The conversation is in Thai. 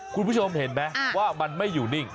คุณผู้ชมเห็นไหมว่ามันไม่อยู่นิ่ง